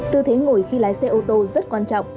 tư thế ngồi khi lái xe ô tô rất quan trọng